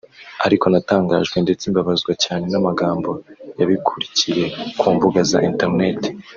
ariko natangajwe ndetse mbabazwa cyane n’amagambo yabikurikiye ku mbuga za interineti